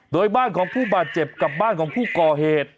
โดยบ้านของผู้บาดเจ็บกับบ้านของผู้ก่อเหตุ